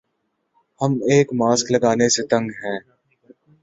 ہم ایک ماسک لگانے سے تنگ ہیں